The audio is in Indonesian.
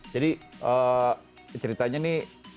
jadi ceritanya nih